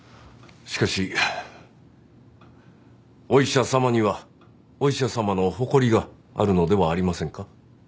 しかしお医者様にはお医者様の誇りがあるのではありませんか？